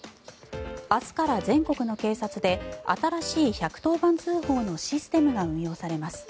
明日から全国の警察で新しい１１０番通報のシステムが運用されます。